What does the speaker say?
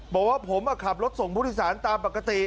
บอกว่าผมก็ขับรถส่งพฤษศาลตามปกติ